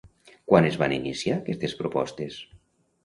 Quan es van iniciar aquestes propostes?